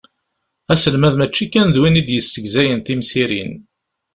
Aselmad mačči kan d win i d-yessegzayen timsirin.